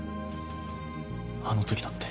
あのときだって。